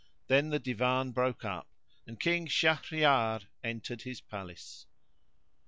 Then the Divan broke up, and King Shahryar entered his palace.